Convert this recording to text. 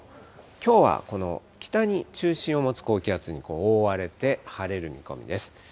きょうはこの北に中心を持つ高気圧に覆われて晴れる見込みです。